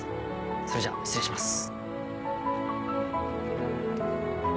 それじゃ失礼します。